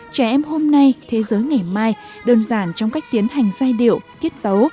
trẻ em hôm nay thế giới ngày mai đơn giản trong cách tiến hành giai điệu tiết tấu